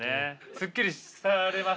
すっきりされました？